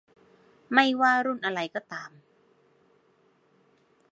ไม่ว่ารุ่นอะไรก็ตาม